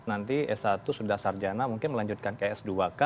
nanti s satu sudah sarjana mungkin melanjutkan ke s dua k